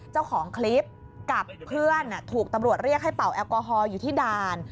เจ้าของคลิปกับเพื่อนถูกตำรวจเรียกให้เป่าแอลกอฮอลอยู่ที่ด่าน